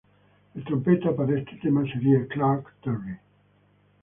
El trompeta para este tema sería Clark Terry.